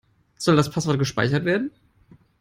Soll das Passwort gespeichert werden?